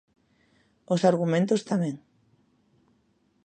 Os argumentos, tamén.